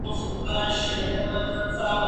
弗雷梅斯特罗。